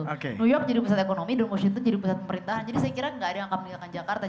new york jadi pusat ekonomi dan washington jadi pusat pemerintahan jadi saya kira nggak ada yang akan meninggalkan jakarta